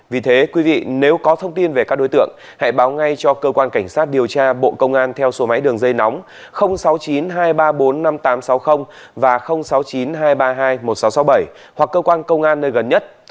vì thế quý vị nếu có thông tin về các đối tượng hãy báo ngay cho cơ quan cảnh sát điều tra bộ công an theo số máy đường dây nóng sáu mươi chín hai trăm ba mươi bốn năm nghìn tám trăm sáu mươi và sáu mươi chín hai trăm ba mươi hai một nghìn sáu trăm sáu mươi bảy hoặc cơ quan công an nơi gần nhất